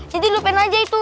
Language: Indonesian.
jadi lupain aja itu